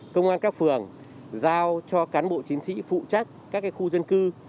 công an các phường giao cho cán bộ chiến sĩ phụ trách các khu dân cư